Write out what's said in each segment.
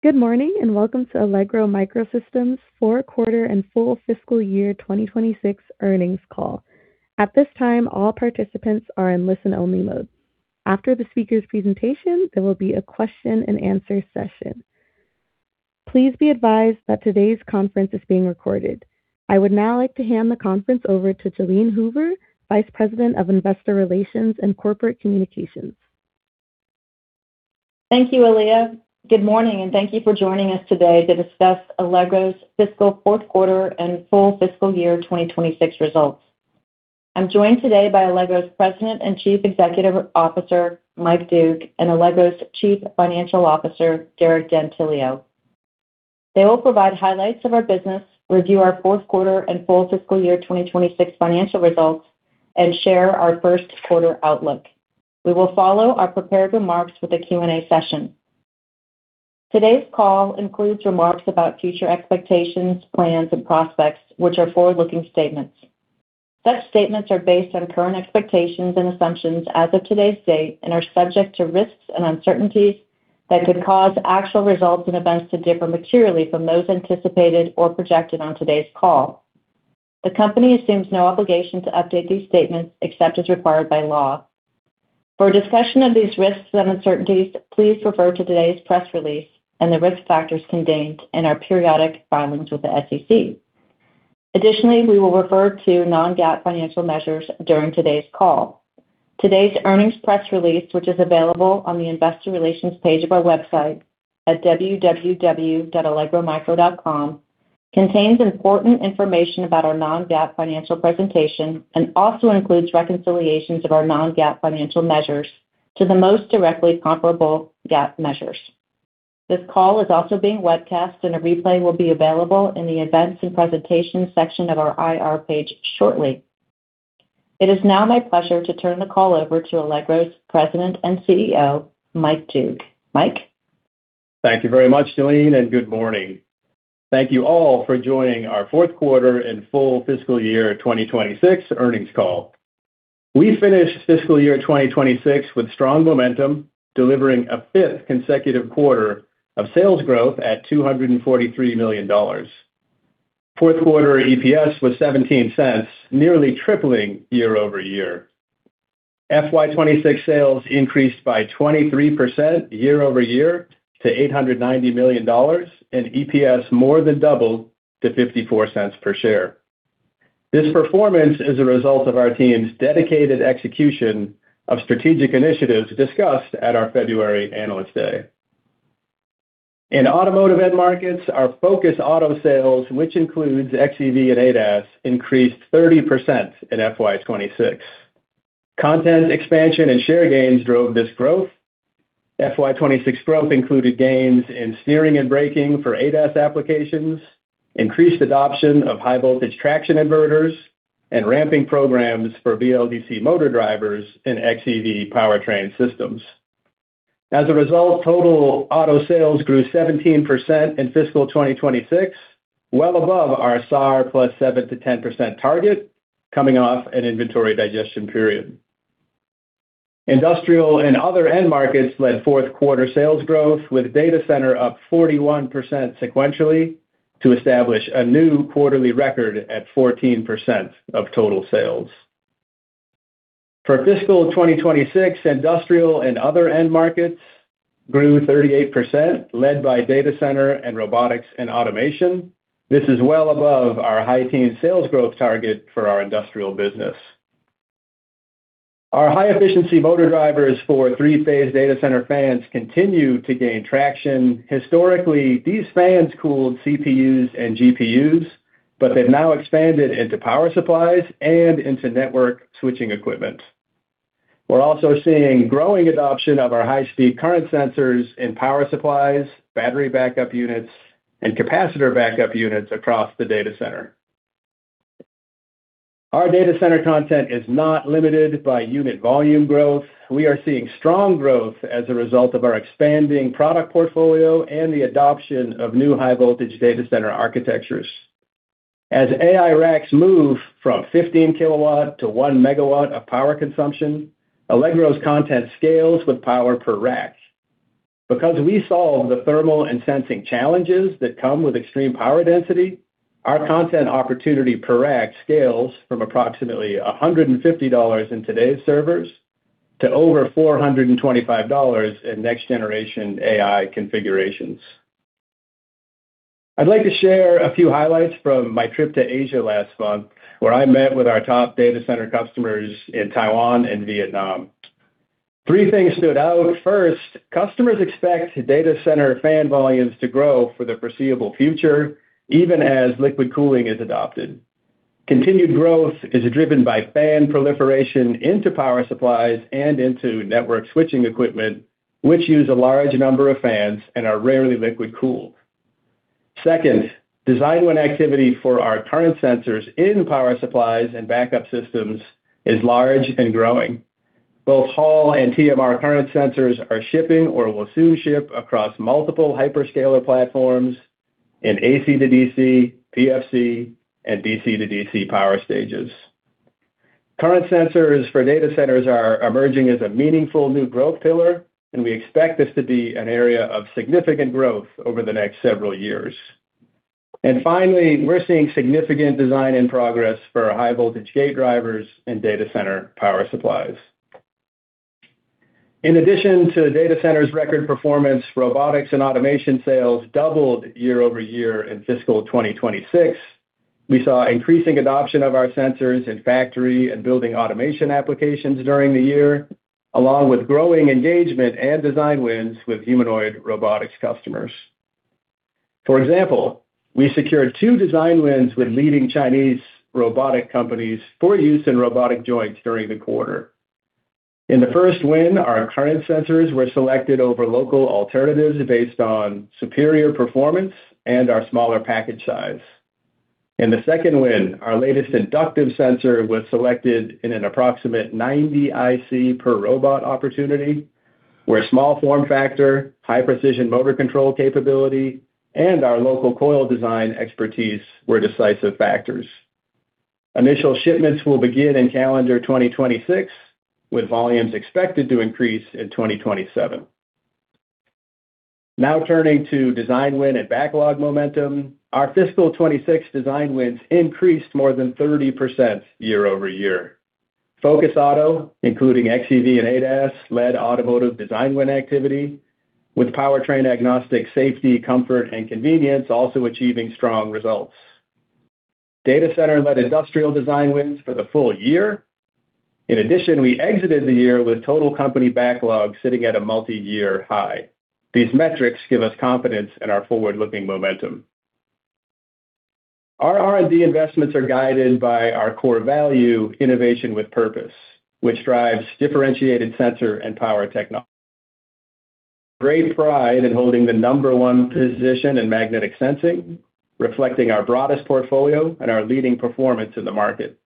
Good morning, and welcome to Allegro MicroSystems' fourth quarter and full fiscal year 2026 earnings call. At this time, all participants are in listen-only mode. After the speaker's presentation, there will be a question-and-answer session. Please be advised that today's conference is being recorded. I would now like to hand the conference over to Jalene Hoover, Vice President of Investor Relations and Corporate Communications. Thank you, Aaliyah. Good morning, and thank you for joining us today to discuss Allegro's fiscal fourth quarter and full fiscal year 2026 results. I'm joined today by Allegro's President and Chief Executive Officer, Mike Doogue, and Allegro's Chief Financial Officer, Derek D'Antilio. They will provide highlights of our business, review our fourth quarter and full fiscal year 2026 financial results, and share our first quarter outlook. We will follow our prepared remarks with a Q&A session. Today's call includes remarks about future expectations, plans, and prospects, which are forward-looking statements. Such statements are based on current expectations and assumptions as of today's date and are subject to risks and uncertainties that could cause actual results and events to differ materially from those anticipated or projected on today's call. The company assumes no obligation to update these statements except as required by law. For a discussion of these risks and uncertainties, please refer to today's press release and the risk factors contained in our periodic filings with the SEC. Additionally, we will refer to non-GAAP financial measures during today's call. Today's earnings press release, which is available on the Investor Relations page of our website at www.allegromicro.com, contains important information about our non-GAAP financial presentation and also includes reconciliations of our non-GAAP financial measures to the most directly comparable GAAP measures. This call is also being webcast, and a replay will be available in the Events and Presentations section of our IR page shortly. It is now my pleasure to turn the call over to Allegro's President and CEO, Mike Doogue. Mike? Thank you very much, Jalene, and good morning. Thank you all for joining our fourth quarter and full fiscal year 2026 earnings call. We finished fiscal year 2026 with strong momentum, delivering a fifth consecutive quarter of sales growth at $243 million. Fourth quarter EPS was $0.17, nearly tripling year-over-year. FY 2026 sales increased by 23% year-over-year to $890 million, and EPS more than doubled to $0.54 per share. This performance is a result of our team's dedicated execution of strategic initiatives discussed at our February Analyst Day. In automotive end markets, our focused auto sales, which includes xEV and ADAS, increased 30% in FY 2026. Content expansion and share gains drove this growth. FY 2026 growth included gains in steering and braking for ADAS applications, increased adoption of high-voltage traction inverters, and ramping programs for BLDC motor drivers and xEV powertrain systems. As a result, total auto sales grew 17% in fiscal 2026, well above our SAAR plus 7%-10% target coming off an inventory digestion period. Industrial and other end markets led fourth quarter sales growth, with Data Center up 41% sequentially to establish a new quarterly record at 14% of total sales. For fiscal 2026, Industrial and other end markets grew 38%, led by Data Center and Robotics and Automation. This is well above our high-teen sales growth target for our Industrial business. Our high-efficiency motor drivers for three-phase Data Center fans continue to gain traction. Historically, these fans cooled CPUs and GPUs, but they've now expanded into power supplies and into network switching equipment. We're also seeing growing adoption of our high-speed current sensors in power supplies, battery backup units, and capacitor backup units across the Data Center. Our Data Center content is not limited by unit volume growth. We are seeing strong growth as a result of our expanding product portfolio and the adoption of new high-voltage Data Center architectures. As AI racks move from 15 kW to 1 MW of power consumption, Allegro's content scales with power per rack. Because we solve the thermal and sensing challenges that come with extreme power density, our content opportunity per rack scales from approximately $150 in today's servers to over $425 in next-generation AI configurations. I'd like to share a few highlights from my trip to Asia last month, where I met with our top Data Center customers in Taiwan and Vietnam. Three things stood out. First, customers expect Data Center fan volumes to grow for the foreseeable future, even as liquid cooling is adopted. Continued growth is driven by fan proliferation into power supplies and into network switching equipment, which use a large number of fans and are rarely liquid-cooled. Second, design win activity for our current sensors in power supplies and backup systems is large and growing. Both Hall and TMR current sensors are shipping or will soon ship across multiple hyperscaler platforms in AC to DC, PFC, and DC-DC power stages. Current sensors for data centers are emerging as a meaningful new growth pillar, and we expect this to be an area of significant growth over the next several years. Finally, we're seeing significant design and progress for high-voltage gate drivers and Data Center power supplies. In addition to Data Centers' record performance, Robotics and Automation sales doubled year-over-year in fiscal 2026. We saw increasing adoption of our sensors in factory and building automation applications during the year, along with growing engagement and design wins with humanoid robotics customers. For example, we secured two design wins with leading Chinese robotic companies for use in robotic joints during the quarter. In the first win, our current sensors were selected over local alternatives based on superior performance and our smaller package size. In the second win, our latest inductive sensor was selected in an approximate 90 IC per robot opportunity, where small form factor, high precision motor control capability, and our local coil design expertise were decisive factors. Initial shipments will begin in calendar 2026, with volumes expected to increase in 2027. Turning to design win and backlog momentum. Our fiscal 2026 design wins increased more than 30% year-over-year. Focused auto, including xEV and ADAS, led automotive design win activity, with powertrain agnostic safety, comfort, and convenience also achieving strong results. Data Center-led industrial design wins for the full year. We exited the year with total company backlog sitting at a multi-year high. These metrics give us confidence in our forward-looking momentum. Our R&D investments are guided by our core value, innovation with purpose, which drives differentiated sensor and power technology. We take great pride in holding the number one position in magnetic sensing, reflecting our broadest portfolio and our leading performance in the market.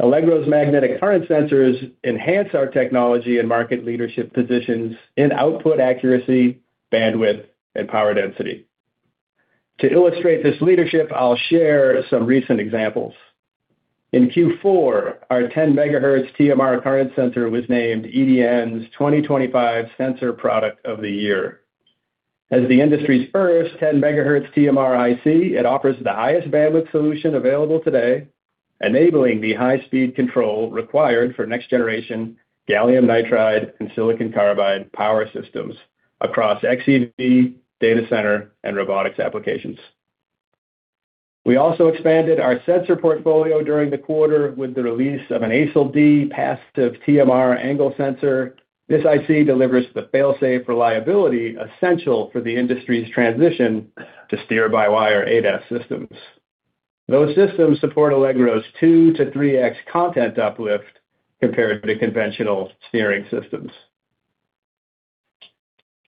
Allegro's magnetic current sensors enhance our technology and market leadership positions in output accuracy, bandwidth, and power density. To illustrate this leadership, I'll share some recent examples. In Q4, our 10 MHz TMR current sensor was named EDN's 2025 Sensor Product of the Year. As the industry's first 10 MHz TMR IC, it offers the highest bandwidth solution available today, enabling the high-speed control required for next-generation gallium nitride and silicon carbide power systems across xEV, Data Center, and Robotics applications. We also expanded our sensor portfolio during the quarter with the release of an ASIL D passive TMR angle sensor. This IC delivers the fail-safe reliability essential for the industry's transition to steer-by-wire ADAS systems. Those systems support Allegro's 2x-3x content uplift compared to conventional steering systems.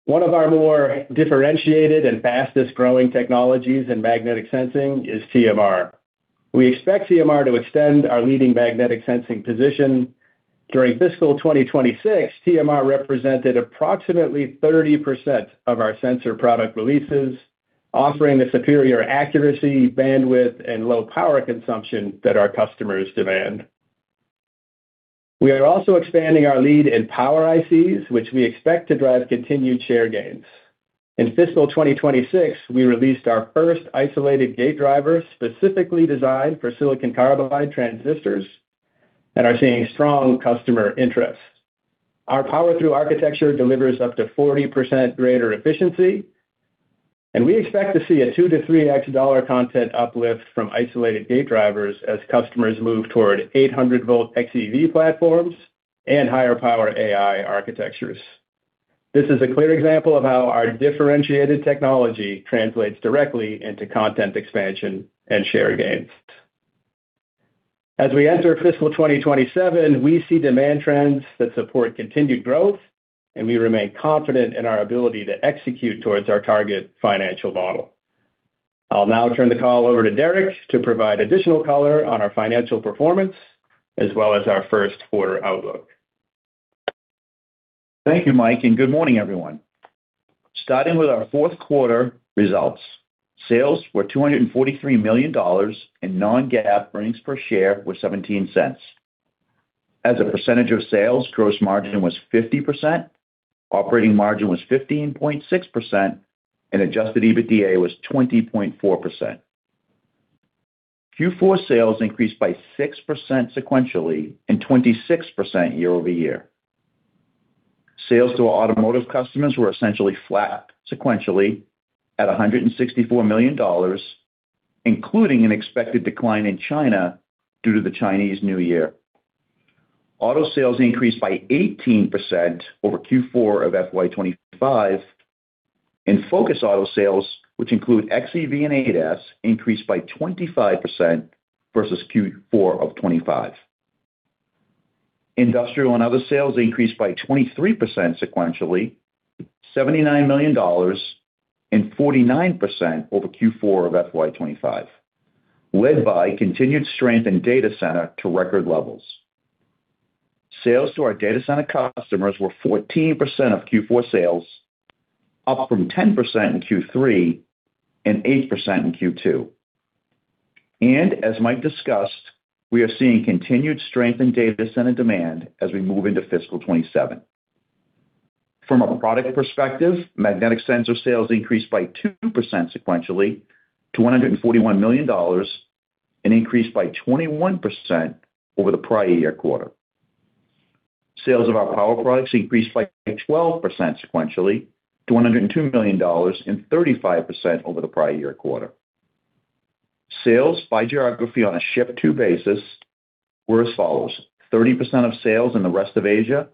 One of our more differentiated and fastest-growing technologies in magnetic sensing is TMR. We expect TMR to extend our leading magnetic sensing position. During fiscal 2026, TMR represented approximately 30% of our sensor product releases, offering the superior accuracy, bandwidth, and low power consumption that our customers demand. We are also expanding our lead in power ICs, which we expect to drive continued share gains. In fiscal 2026, we released our first isolated gate driver, specifically designed for silicon carbide transistors, and are seeing strong customer interest. Our Power-Thru architecture delivers up to 40% greater efficiency, and we expect to see a 2x-3x dollar content uplift from isolated gate drivers as customers move toward 800 volt xEV platforms and higher power AI architectures. This is a clear example of how our differentiated technology translates directly into content expansion and share gains. As we enter fiscal 2027, we see demand trends that support continued growth. We remain confident in our ability to execute towards our target financial model. I will now turn the call over to Derek to provide additional color on our financial performance as well as our first quarter outlook. Thank you, Mike, and good morning, everyone. Starting with our fourth quarter results. Sales were $243 million, and non-GAAP earnings per share were $0.17. As a percentage of sales, gross margin was 50%, operating margin was 15.6%, and adjusted EBITDA was 20.4%. Q4 sales increased by 6% sequentially and 26% year-over-year. Sales to our automotive customers were essentially flat sequentially at $164 million, including an expected decline in China due to the Chinese New Year. Auto sales increased by 18% over Q4 of FY 2025, and focused auto sales, which include xEV and ADAS, increased by 25% versus Q4 of 2025. Industrial and other sales increased by 23% sequentially, $79 million, and 49% over Q4 of FY 2025, led by continued strength in Data Center to record levels. Sales to our Data Center customers were 14% of Q4 sales, up from 10% in Q3 and 8% in Q2. As Mike discussed, we are seeing continued strength in Data Center demand as we move into fiscal 2027. From a product perspective, magnetic sensor sales increased by 2% sequentially to $141 million, an increase by 21% over the prior year quarter. Sales of our power products increased by 12% sequentially to $102 million and 35% over the prior year quarter. Sales by geography on a ship-to basis were as follows: 30% of sales in the rest of Asia,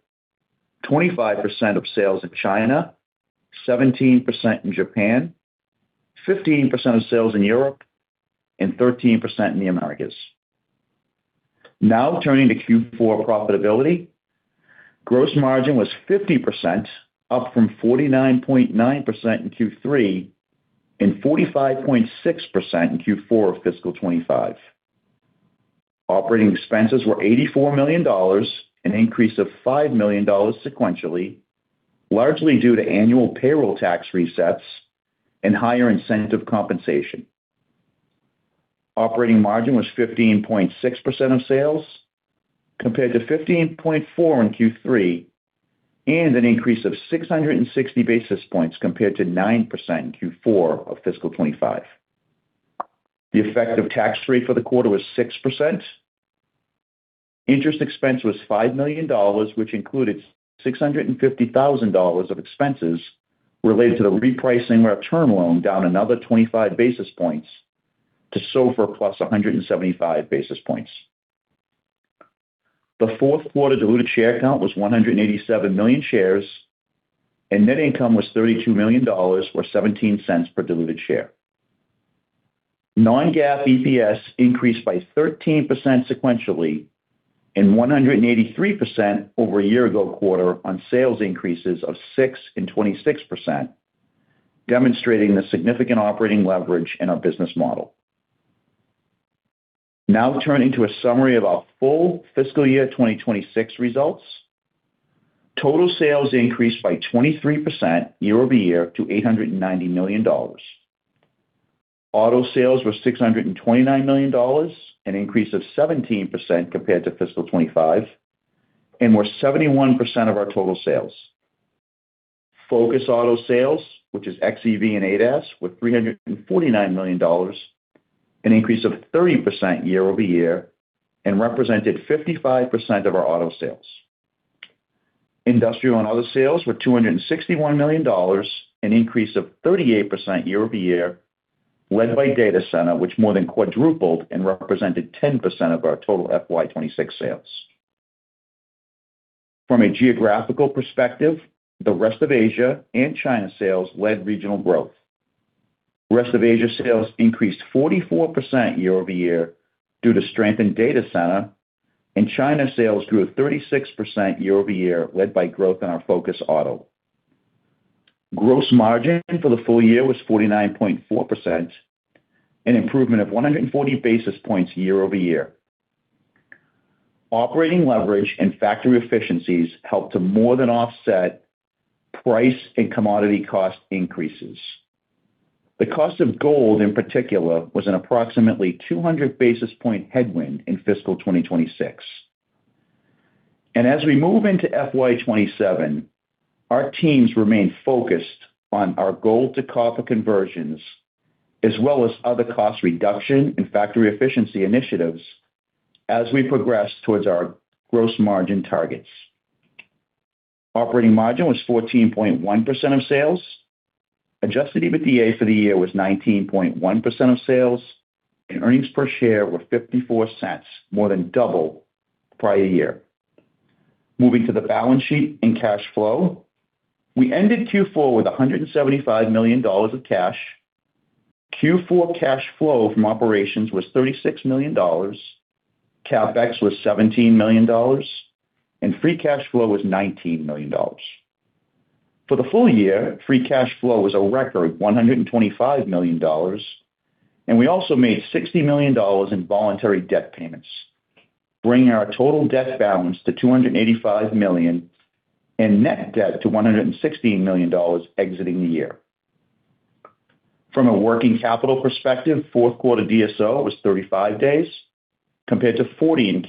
25% of sales in China, 17% in Japan, 15% of sales in Europe, and 13% in the Americas. Turning to Q4 profitability. Gross margin was 50%, up from 49.9% in Q3 and 45.6% in Q4 of fiscal 2025. Operating expenses were $84 million, an increase of $5 million sequentially, largely due to annual payroll tax resets and higher incentive compensation. Operating margin was 15.6% of sales, compared to 15.4% in Q3, and an increase of 660 basis points compared to 9% in Q4 of fiscal 2025. The effective tax rate for the quarter was 6%. Interest expense was $5 million, which included $650,000 of expenses related to the repricing of our term loan down another 25 basis points to SOFR plus 175 basis points. The fourth quarter diluted share count was 187 million shares, and net income was $32 million, or $0.17 per diluted share. Non-GAAP EPS increased by 13% sequentially and 183% over a year-ago quarter on sales increases of 6% and 26%, demonstrating the significant operating leverage in our business model. Now turning to a summary of our full fiscal year 2026 results. Total sales increased by 23% year-over-year to $890 million. Auto sales were $629 million, an increase of 17% compared to fiscal 2025, and were 71% of our total sales. Focus Auto sales, which is xEV and ADAS, were $349 million, an increase of 30% year-over-year, and represented 55% of our auto sales. Industrial and other sales were $261 million, an increase of 38% year-over-year, led by Data Center, which more than quadrupled and represented 10% of our total FY 2026 sales. From a geographical perspective, the rest of Asia and China sales led regional growth. Rest of Asia sales increased 44% year-over-year due to strength in Data Center, and China sales grew at 36% year-over-year, led by growth in our Focus Auto. Gross margin for the full year was 49.4%, an improvement of 140 basis points year-over-year. Operating leverage and factory efficiencies helped to more than offset price and commodity cost increases. The cost of gold, in particular, was an approximately 200 basis point headwind in fiscal 2026. As we move into FY 2027, our teams remain focused on our gold to copper conversions as well as other cost reduction and factory efficiency initiatives as we progress towards our gross margin targets. Operating margin was 14.1% of sales. Adjusted EBITDA for the year was 19.1% of sales, and earnings per share were $0.54, more than double the prior year. Moving to the balance sheet and cash flow, we ended Q4 with $175 million of cash. Q4 cash flow from operations was $36 million, CapEx was $17 million, and free cash flow was $19 million. For the full year, free cash flow was a record $125 million, and we also made $60 million in voluntary debt payments, bringing our total debt balance to $285 million and net debt to $116 million exiting the year. From a working capital perspective, fourth quarter DSO was 35 days compared to 40 in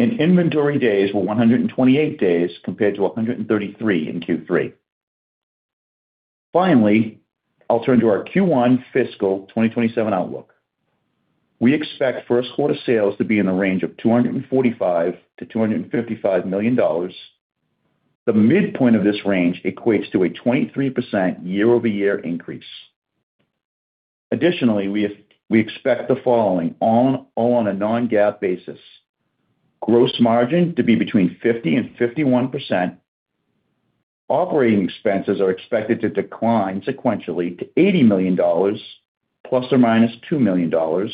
Q3, and inventory days were 128 days compared to 133 in Q3. Finally, I'll turn to our Q1 fiscal 2027 outlook. We expect first-quarter sales to be in the range of $245 million-$255 million. The midpoint of this range equates to a 23% year-over-year increase. Additionally, we expect the following, all on a non-GAAP basis. Gross margin to be between 50% and 51%. Operating expenses are expected to decline sequentially to $80 million, ± $2 million.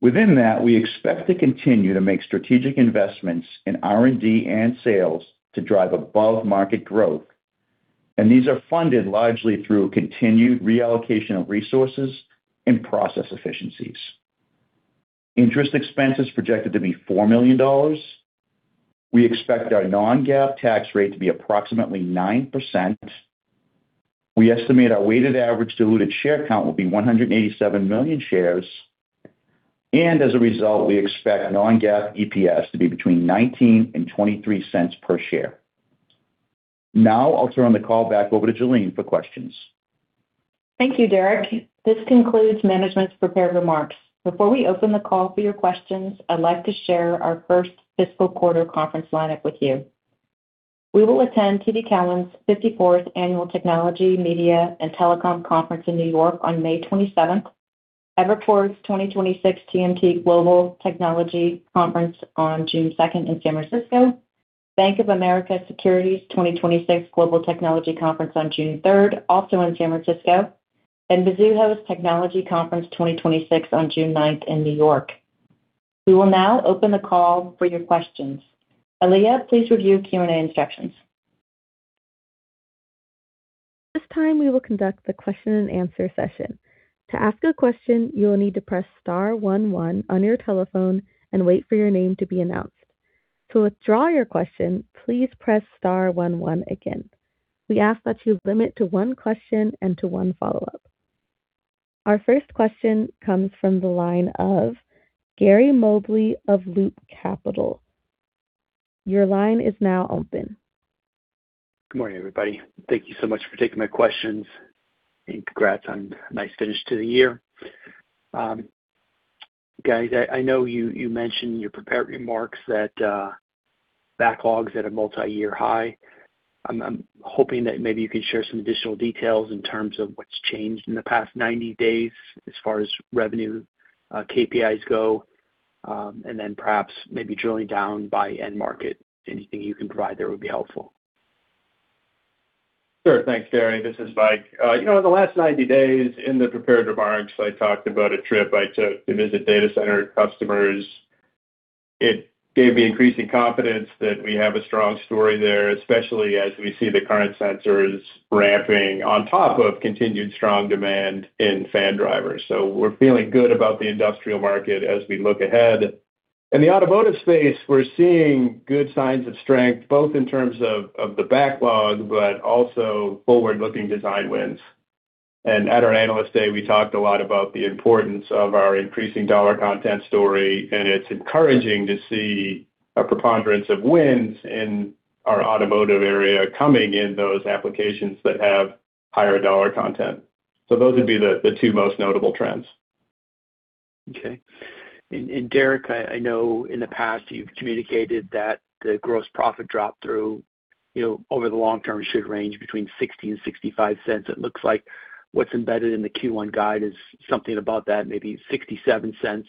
Within that, we expect to continue to make strategic investments in R&D and sales to drive above-market growth. These are funded largely through continued reallocation of resources and process efficiencies. Interest expense is projected to be $4 million. We expect our non-GAAP tax rate to be approximately 9%. We estimate our weighted average diluted share count will be 187 million shares. As a result, we expect non-GAAP EPS to be between $0.19 and $0.23 per share. Now I'll turn the call back over to Jalene for questions. Thank you, Derek. This concludes management's prepared remarks. Before we open the call for your questions, I'd like to share our first fiscal quarter conference lineup with you. We will attend TD Cowen's 54th Annual Technology, Media & Telecom Conference in New York on May 27th, Evercore's 2026 TMT Global Technology Conference on June 2nd in San Francisco, Bank of America Securities 2026 Global Technology Conference on June 3rd, also in San Francisco, and Mizuho's Technology Conference 2026 on June 9th in New York. We will now open the call for your questions. Aaliyah, please review Q&A instructions. At this time, we will conduct the question-and-answer session. To ask a question, you will need to press star one one on your telephone and wait for your name to be announced. To withdraw your question, please press star one one again. We ask that you limit to one question and to one follow-up. Our first question comes from the line of Gary Mobley of Loop Capital. Your line is now open. Good morning, everybody. Thank you so much for taking my questions. Congrats on a nice finish to the year. Guys, I know you mentioned in your prepared remarks that backlogs at a multiyear high. I'm hoping that maybe you can share some additional details in terms of what's changed in the past 90 days as far as revenue, KPIs go, and then perhaps maybe drilling down by end market. Anything you can provide there would be helpful. Sure. Thanks, Gary. This is Mike. You know, in the last 90 days in the prepared remarks, I talked about a trip I took to visit Data Center customers. It gave me increasing confidence that we have a strong story there, especially as we see the current sensors ramping on top of continued strong demand in fan drivers. We're feeling good about the Industrial market as we look ahead. In the automotive space, we're seeing good signs of strength, both in terms of the backlog but also forward-looking design wins. At our Analyst Day, we talked a lot about the importance of our increasing dollar content story, and it's encouraging to see a preponderance of wins in our automotive area coming in those applications that have higher dollar content. Those would be the two most notable trends. Okay. Derek, I know in the past you've communicated that the gross profit drop through, you know, over the long term should range between $0.60 and $0.65. It looks like what's embedded in the Q1 guide is something about that, maybe $0.67.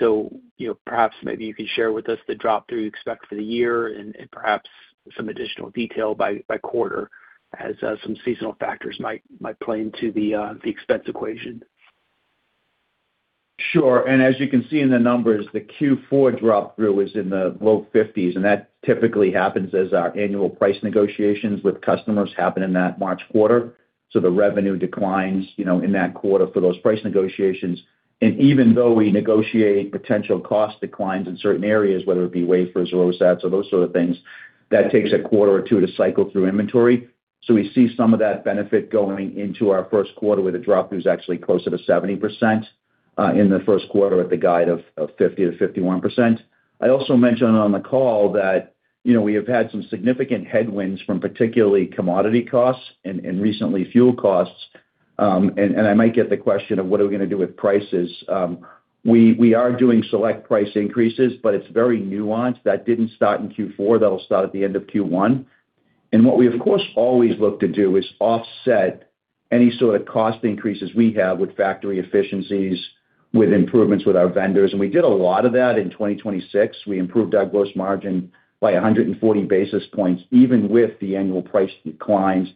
You know, perhaps maybe you could share with us the drop-through you expect for the year and, perhaps, some additional detail by quarter, as some seasonal factors might play into the expense equation. Sure. As you can see in the numbers, the Q4 drop-through is in the low 50s, and that typically happens as our annual price negotiations with customers happen in that March quarter. The revenue declines, you know, in that quarter for those price negotiations. Even though we negotiate potential cost declines in certain areas, whether it be wafers or OSATs or those sort of things, that takes a quarter or two to cycle through inventory. We see some of that benefit going into our first quarter, where the drop-through is actually closer to 70% in the first quarter at the guide of 50%-51%. I also mentioned on the call that, you know, we have had some significant headwinds from, particularly, commodity costs and recently fuel costs. I might get the question of what are we gonna do with prices. We are doing select price increases, but it's very nuanced. That didn't start in Q4. That'll start at the end of Q1. What we, of course, always look to do is offset any sort of cost increases we have with factory efficiencies, with improvements with our vendors, and we did a lot of that in 2026. We improved our gross margin by 140 basis points, even with the annual price declines,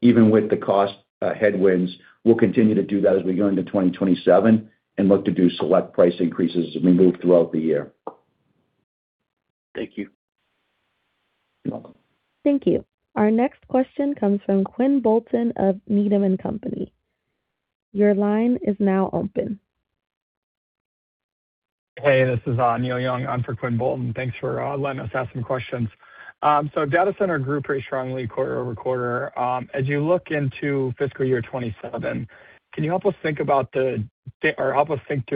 even with the cost headwinds. We'll continue to do that as we go into 2027 and look to do select price increases as we move throughout the year. Thank you. You're welcome. Thank you. Our next question comes from Quinn Bolton of Needham & Company. Hey, this is Neil Young on for Quinn Bolton. Thanks for letting us ask some questions. Data Center grew pretty strongly quarter-over-quarter. As you look into fiscal year 2027, can you help us think through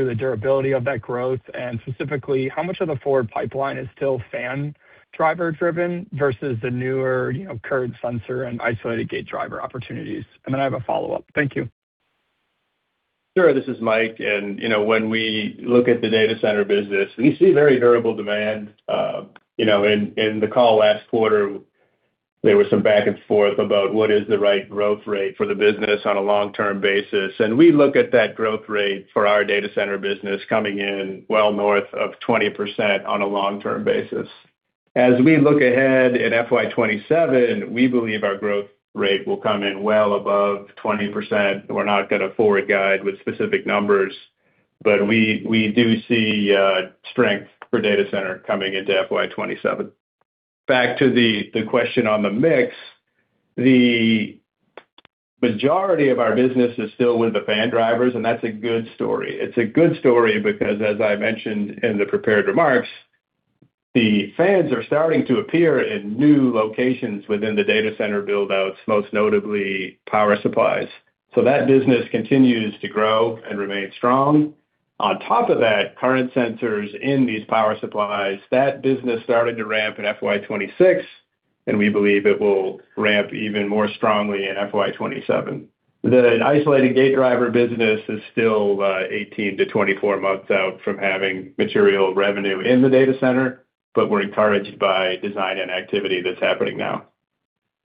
the durability of that growth? Specifically, how much of the forward pipeline is still fan driver driven versus the newer, you know, current sensor and isolated gate driver opportunities? I have a follow-up. Thank you. Sure. This is Mike. You know, when we look at the Data Center business, we see very durable demand. You know, in the call last quarter, there was some back and forth about what is the right growth rate for the business on a long-term basis. We look at that growth rate for our Data Center business coming in well north of 20% on a long-term basis. As we look ahead at FY 2027, we believe our growth rate will come in well above 20%. We're not gonna forward guide with specific numbers. We do see strength for Data Center coming into FY 2027. Back to the question on the mix, the majority of our business is still with the fan drivers, and that's a good story. It's a good story because, as I mentioned in the prepared remarks, the fans are starting to appear in new locations within the Data Center build-outs, most notably power supplies. That business continues to grow and remain strong. On top of that, current sensors in these power supplies, that business started to ramp in FY 2026, and we believe it will ramp even more strongly in FY 2027. The isolated gate driver business is still 18-24 months out from having material revenue in the Data Center, but we're encouraged by design and activity that's happening now.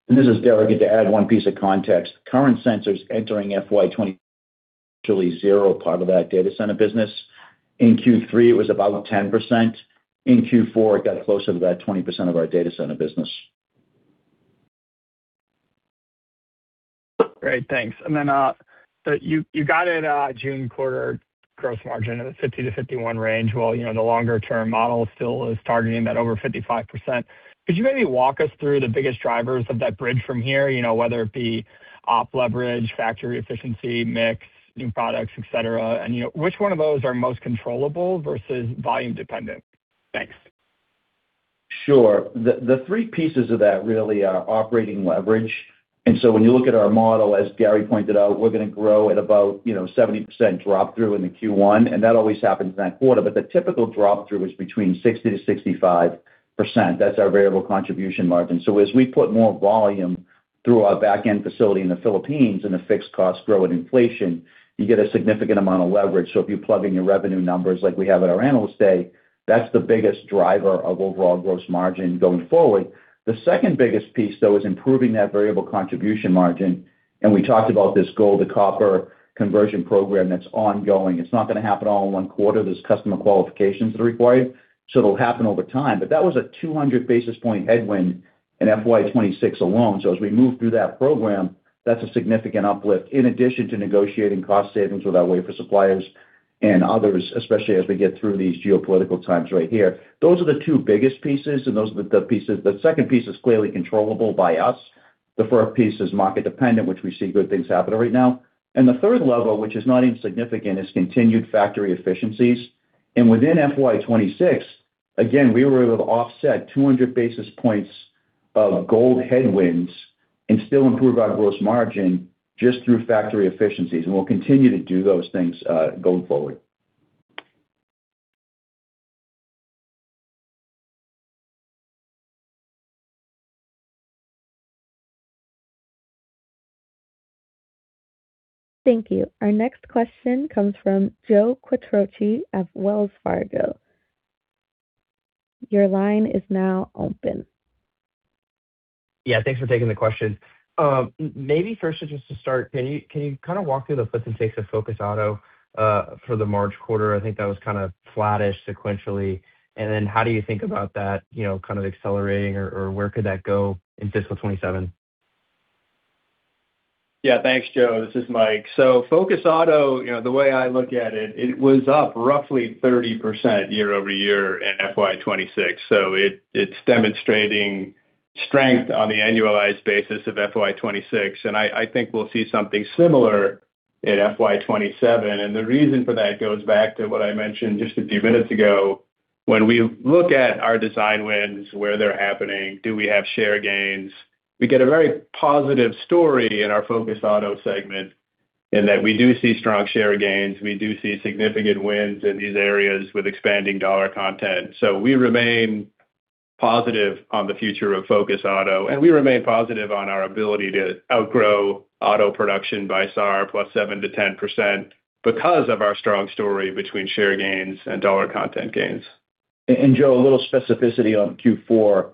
This is Derek. To add one piece of context, current sensors entering FY 2020, actually, zero part of that Data Center business. In Q3, it was about 10%. In Q4, it got closer to that 20% of our Data Center business. Great. Thanks. You guided June quarter gross margin in the 50%-51% range, while you know, the longer-term model still is targeting that over 55%. Could you maybe walk us through the biggest drivers of that bridge from here? You know, whether it be op leverage, factory efficiency, mix, new products, et cetera, and, you know, which one of those are most controllable versus volume dependent? Thanks. Sure. The three pieces of that really are operating leverage. When you look at our model, as Gary pointed out, we're gonna grow at about, you know, 70% drop-through into Q1, and that always happens in that quarter. The typical drop-through is between 60%-65%. That's our variable contribution margin. As we put more volume through our back-end facility in the Philippines and the fixed costs grow at inflation, you get a significant amount of leverage. If you plug in your revenue numbers like we have at our analyst day, that's the biggest driver of overall gross margin going forward. The second biggest piece, though, is improving that variable contribution margin, and we talked about this gold-to-copper conversion program that's ongoing. It's not gonna happen all in one quarter. There's customer qualifications that are required, so it'll happen over time. That was a 200 basis point headwind in FY 2026 alone. As we move through that program, that's a significant uplift. In addition to negotiating cost savings with our wafer suppliers and others, especially as we get through these geopolitical times right here. Those are the two biggest pieces, and those are the pieces. The second piece is clearly controllable by us. The first piece is market-dependent, which we see good things happening right now. The third lever, which is not insignificant, is continued factory efficiencies. Within FY 2026, again, we were able to offset 200 basis points of gross headwinds and still improve our gross margin just through factory efficiencies, and we'll continue to do those things going forward. Thank you. Our next question comes from Joe Quatrochi of Wells Fargo. Your line is now open. Yeah. Thanks for taking the question. Maybe firstly, just to start, can you kind of walk through the puts and takes of Focus Auto for the March quarter? I think that was kind of flattish sequentially. How do you think about that, you know, kind of accelerating or where could that go in fiscal 2027? Yeah. Thanks, Joe. This is Mike. Focus Auto, you know, the way I look at it was up roughly 30% year-over-year in FY 2026, it's demonstrating strength on the annualized basis of FY 2026. I think we'll see something similar in FY 2027. The reason for that goes back to what I mentioned just a few minutes ago. When we look at our design wins, where they're happening, do we have share gains? We get a very positive story in our Focus Auto segment, in that we do see strong share gains. We do see significant wins in these areas with expanding dollar content. We remain positive on the future of Focus Auto, and we remain positive on our ability to outgrow auto production by SAAR plus 7%-10% because of our strong story between share gains and dollar content gains. Joe, a little specificity on Q4.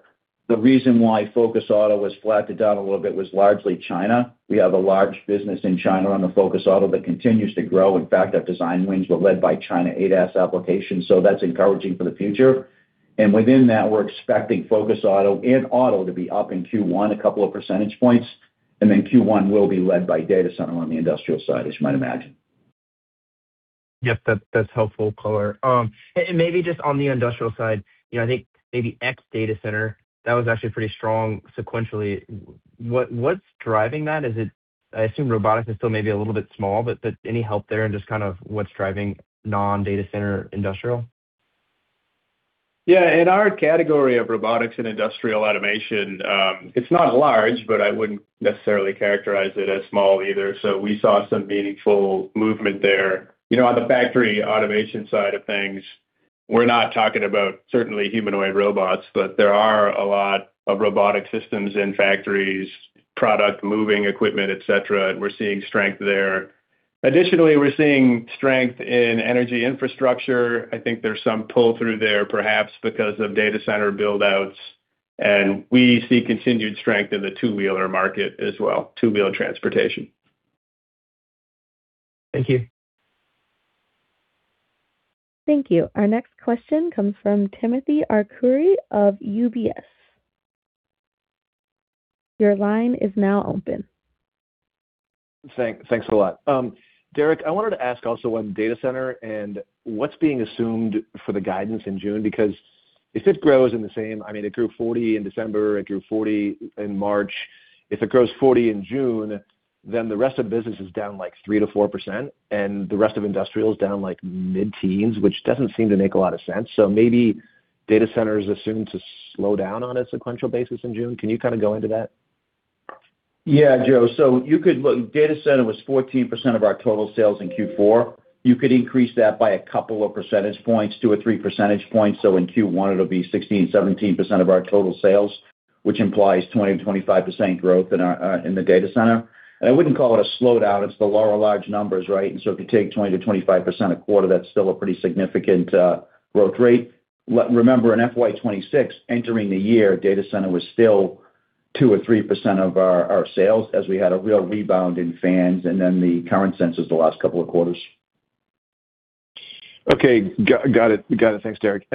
The reason why Focus Auto was flatted down a little bit was largely China. We have a large business in China on the Focus Auto that continues to grow. In fact, our design wins were led by China ADAS applications, that's encouraging for the future. Within that, we're expecting Focus Auto and Auto to be up in Q1 a couple of percentage points. Q1 will be led by Data Center on the Industrial side, as you might imagine. Yep. That's helpful color. Maybe just on the Industrial side, you know, I think maybe ex Data Center, that was actually pretty strong sequentially. What's driving that? I assume Robotics is still maybe a little bit small, but any help there in just kind of what's driving non-Data Center industrial? Yeah. In our category of Robotics and Industrial Automation, it's not large, but I wouldn't necessarily characterize it as small either. We saw some meaningful movement there. You know, on the factory automation side of things, we're not talking about certainly humanoid robots, but there are a lot of robotic systems in factories, product-moving equipment, et cetera. We're seeing strength there. Additionally, we're seeing strength in energy infrastructure. I think there's some pull-through there perhaps because of Data Center build-outs, we see continued strength in the two-wheeler market as well, two-wheel transportation. Thank you. Thank you. Our next question comes from Timothy Arcuri of UBS. Your line is now open. Thanks a lot. Derek, I wanted to ask also on Data Center and what's being assumed for the guidance in June, because if it grows in the same I mean, it grew 40% in December, it grew 40% in March. If it grows 40% in June, then the rest of the business is down, like, 3%-4%, and the rest of Industrial is down, like, mid-teens, which doesn't seem to make a lot of sense. Maybe Data Center is assumed to slow down on a sequential basis in June. Can you kind of go into that? Yeah, Joe. Data Center was 14% of our total sales in Q4. You could increase that by a couple of percentage points, 2 or 3 percentage points. In Q1, it'll be 16%, 17% of our total sales, which implies 20%-25% growth in our in the Data Center. I wouldn't call it a slowdown, it's the lower large numbers, right? If you take 20%-25% a quarter, that's still a pretty significant growth rate. Remember, in FY 2026, entering the year, Data Center was still 2% or 3% of our sales as we had a real rebound in fans and then the current sensors the last couple of quarters. Okay. Got it. Got it. Thanks, Derek.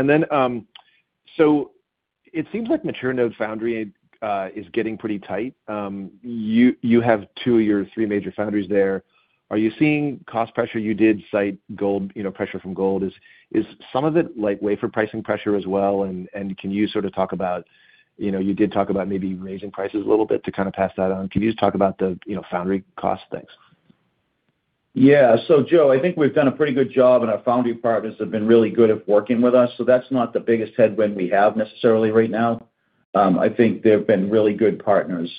It seems like mature node foundry is getting pretty tight. You have two of your three major foundries there. Are you seeing cost pressure? You did cite gold, you know, pressure from gold. Is some of it, like, wafer pricing pressure as well, and can you sort of talk about, you know, you did talk about maybe raising prices a little bit to kind of pass that on. Can you just talk about the, you know, foundry cost? Thanks. Yeah. Joe, I think we've done a pretty good job, and our foundry partners have been really good at working with us, so that's not the biggest headwind we have necessarily right now. I think they've been really good partners.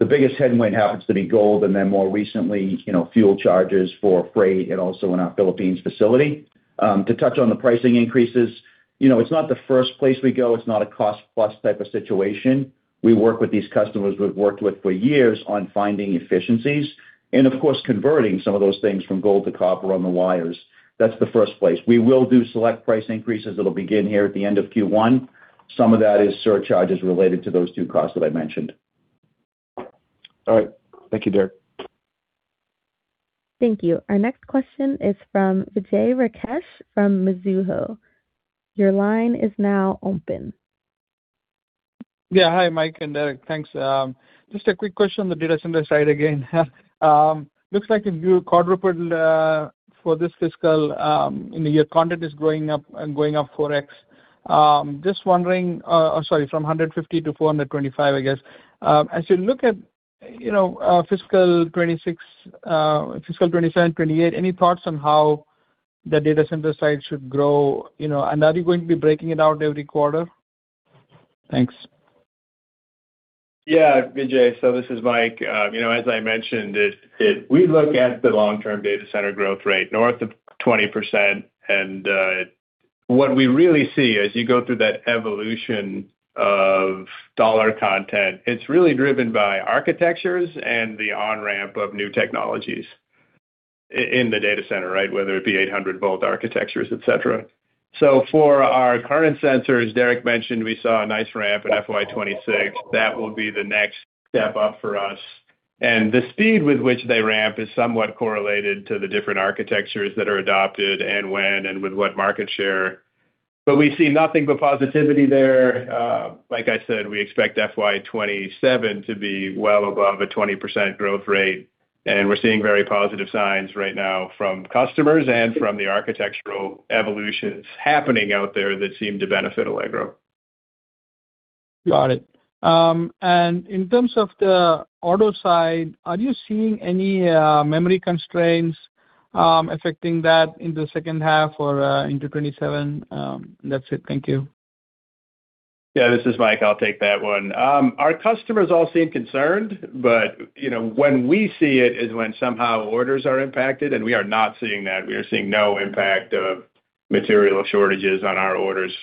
The biggest headwind happens to be gold, and then more recently, you know, fuel charges for freight and also in our Philippines facility. To touch on the pricing increases, you know, it's not the first place we go; it's not a cost-plus type of situation. We work with these customers we've worked with for years on finding efficiencies, and of course, converting some of those things from gold to copper on the wires. That's the first place. We will do select price increases that'll begin here at the end of Q1. Some of that is surcharges related to those two costs that I mentioned. All right. Thank you, Derek. Thank you. Our next question is from Vijay Rakesh from Mizuho. Your line is now open. Yeah. Hi, Mike and Derek. Thanks. Just a quick question on the Data Center side again. Looks like if you quarter report for this fiscal in the year content is growing up and going up 4x. Just wondering, sorry, from 150 to 425, I guess. As you look at, you know, fiscal 2026, fiscal 2027, 2028, any thoughts on how the Data Center side should grow, you know, and are you going to be breaking it out every quarter? Thanks. Vijay. This is Mike. You know, as I mentioned, we look at the long-term Data Center growth rate north of 20%. What we really see as you go through that evolution of dollar content, it's really driven by architectures and the on-ramp of new technologies in the Data Center, right? Whether it be 800-volt architectures, et cetera. For our current sensors, Derek mentioned we saw a nice ramp in FY 2026. That will be the next step up for us. The speed with which they ramp is somewhat correlated to the different architectures that are adopted, and when and with what market share. We see nothing but positivity there. Like I said, we expect FY 2027 to be well above a 20% growth rate. We're seeing very positive signs right now from customers and from the architectural evolutions happening out there that seem to benefit Allegro. Got it. In terms of the auto side, are you seeing any memory constraints affecting that in the second half or into 2027? That's it. Thank you. Yeah. This is Mike. I'll take that one. Our customers all seem concerned, but you know, when we see it is when somehow orders are impacted, and we are not seeing that. We are seeing no impact of material shortages on our orders.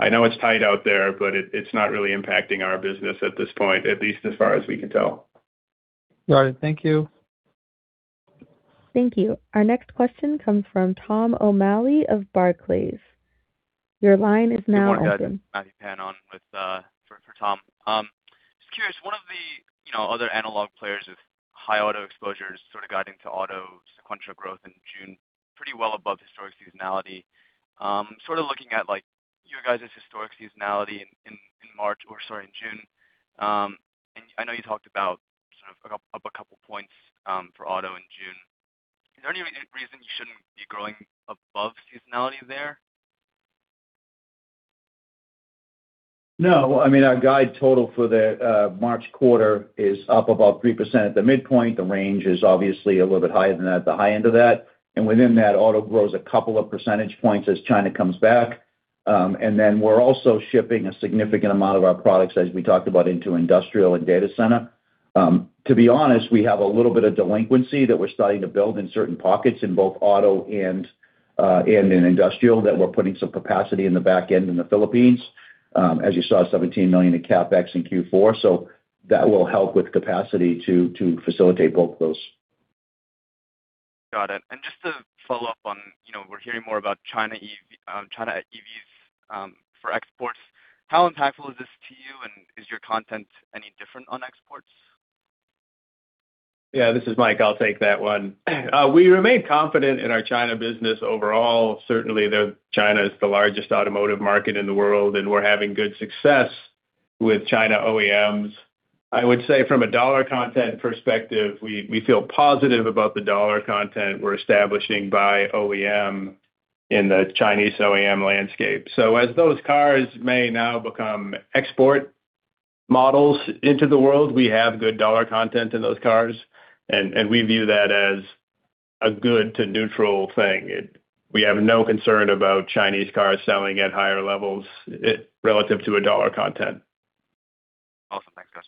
I know it's tight out there, but it's not really impacting our business at this point, at least as far as we can tell. Got it. Thank you. Thank you. Our next question comes from Tom O'Malley of Barclays. Your line is now open. Good morning, guys. Matthew Pan on with, for Tom. Just curious, one of the, you know, other analog players with high auto exposures sort of guiding to auto sequential growth in June, pretty well above historic seasonality. Sort of looking at, like, your guys' historic seasonality in March or, sorry, in June. And I know you talked about sort of up a couple points for auto in June. Is there any reason you shouldn't be growing above seasonality there? No. I mean, our guide total for the March quarter is up about 3% at the midpoint. The range is obviously a little bit higher than that, at the high end of that. Within that, auto grows a couple of percentage points as China comes back. We're also shipping a significant amount of our products, as we talked about, into Industrial and Data Center. To be honest, we have a little bit of delinquency that we're starting to build in certain pockets in both auto and in Industrial that we're putting some capacity in the back end in the Philippines. As you saw, $17 million in CapEx in Q4, so that will help with capacity to facilitate both those. Got it. Just to follow up on, you know, we're hearing more about China EV, China EVs, for exports. How impactful is this to you, and is your content any different on exports? Yeah, this is Mike. I'll take that one. We remain confident in our China business overall. Certainly, China is the largest automotive market in the world, we're having good success with China OEMs. I would say from a dollar content perspective, we feel positive about the dollar content we're establishing by OEM in the Chinese OEM landscape. As those cars may now become export models into the world, we have good dollar content in those cars, and we view that as a good to neutral thing. We have no concern about Chinese cars selling at higher levels relative to a dollar content. Awesome. Thanks, guys.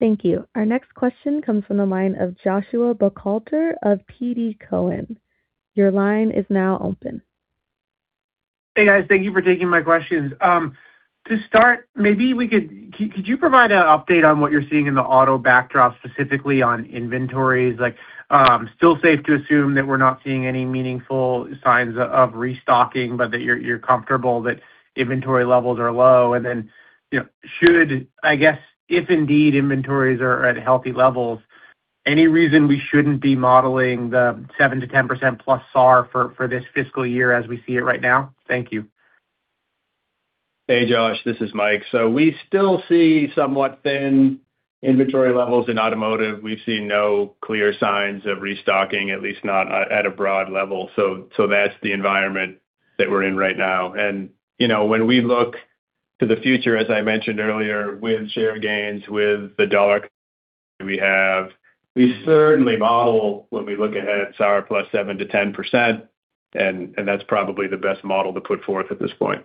Thank you. Our next question comes from the line of Joshua Buchalter of TD Cowen. Your line is now open. Hey, guys. Thank you for taking my questions. To start, maybe we could you provide an update on what you're seeing in the auto backdrop, specifically on inventories? Like, still safe to assume that we're not seeing any meaningful signs of restocking, but that you're comfortable that inventory levels are low. Then, you know, should, I guess, if indeed inventories are at healthy levels, any reason we shouldn't be modeling the 7%-10% plus SAAR for this fiscal year as we see it right now? Thank you. Hey, Josh. This is Mike. We still see somewhat thin inventory levels in automotive. We've seen no clear signs of restocking, at least not at a broad level. That's the environment that we're in right now. You know, when we look to the future, as I mentioned earlier, with share gains, with the dollar we have, we certainly model when we look ahead SAAR plus 7%-10%, and that's probably the best model to put forth at this point.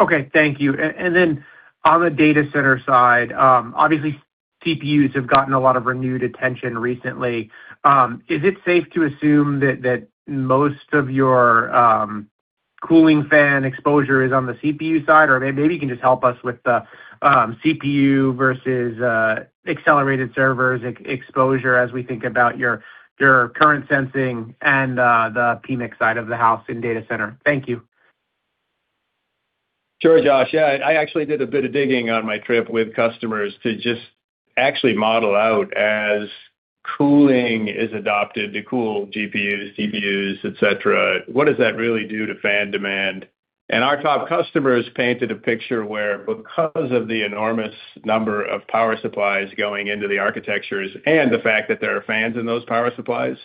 Okay. Thank you. Then on the Data Center side, obviously, CPUs have gotten a lot of renewed attention recently. Is it safe to assume that most of your cooling fan exposure is on the CPU side? Or maybe you can just help us with the CPU versus accelerated servers exposure as we think about your current sensing and the PMIC side of the house in Data Center. Thank you. Sure, Josh. Yeah. I actually did a bit of digging on my trip with customers to just actually model out, as cooling is adopted to cool GPUs, CPUs, et cetera, what does that really do to fan demand? Our top customers painted a picture where, because of the enormous number of power supplies going into the architectures and the fact that there are fans in those power supplies,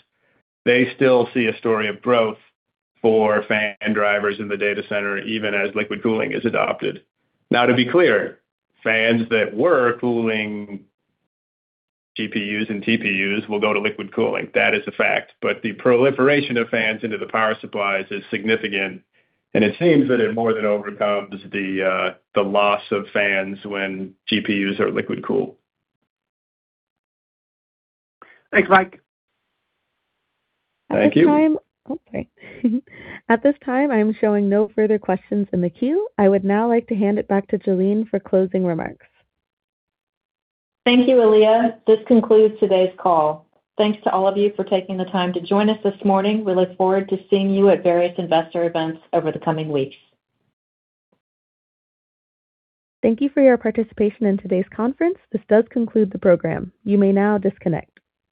they still see a story of growth for fan drivers in the Data Center, even as liquid cooling is adopted. Now, to be clear, fans that were cooling GPUs and TPUs will go to liquid cooling. That is a fact. The proliferation of fans into the power supplies is significant, and it seems that it more than overcomes the loss of fans when GPUs are liquid-cooled. Thanks, Mike. Thank you. At this time, I am showing no further questions in the queue. I would now like to hand it back to Jalene for closing remarks. Thank you, Aaliyah. This concludes today's call. Thanks to all of you for taking the time to join us this morning. We look forward to seeing you at various investor events over the coming weeks. Thank you for your participation in today's conference. This does conclude the program. You may now disconnect.